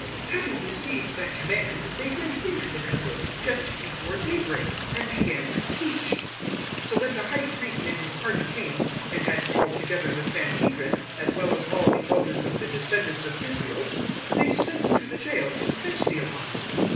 005:021 Having received that command they went into the Temple, just before daybreak, and began to teach: So when the High Priest and his party came, and had called together the Sanhedrin as well as all the Elders of the descendants of Israel, they sent to the jail to fetch the Apostles.